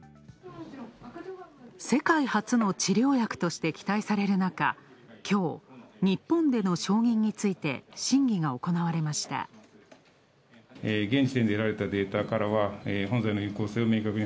世界初の治療薬として期待されるなか、きょう、日本での承認について審議が行われました。